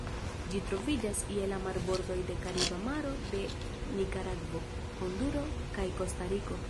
Ĝi troviĝas je la marbordoj de Kariba Maro de Nikaragvo, Honduro, kaj Kostariko.